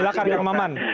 silahkan pak maman